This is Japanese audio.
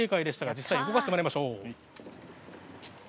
実際に動かしてみましょう。